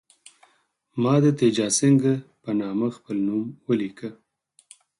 ما د تیجاسینګه په نامه خپل نوم ولیکه.